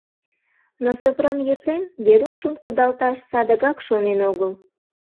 Но Сопром Епрем Верушым кудалташ садыгак шонен огыл.